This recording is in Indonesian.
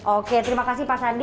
oke terima kasih pak sandi